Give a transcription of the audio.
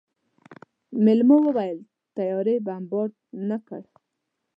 مېلمو وويل طيارې بمبارد نه کړ.